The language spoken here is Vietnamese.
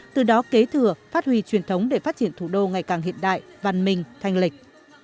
từ đó kế thừa phát huy truyền thống để phát triển thủ đô ngày càng hiện đại văn minh thanh lịch